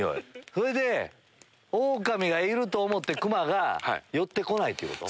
それでオオカミがいると思って熊が寄ってこないってこと？